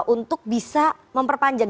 untuk bisa memperpanjang